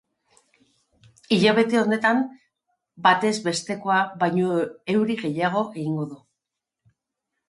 Hilabete honetan batez bestekoa baino euri gehiago egin du.